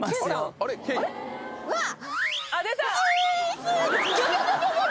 うわっ！